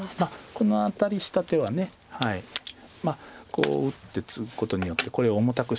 このアタリした手はこう打ってツグことによってこれ重たくしてってことです。